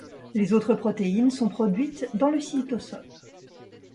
Les autres protéines sont produites dans le cytosol.